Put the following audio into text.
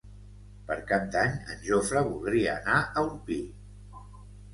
Per Cap d'Any en Jofre voldria anar a Orpí.